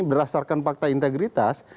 berdasarkan fakta integritas